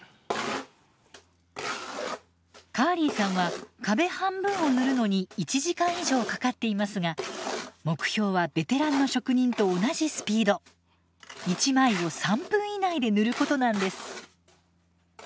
カーリーさんは壁半分を塗るのに１時間以上かかっていますが目標はベテランの職人と同じスピード１枚を３分以内で塗ることなんです。